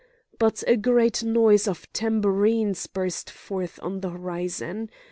But a great noise of tabourines burst forth on the horizon.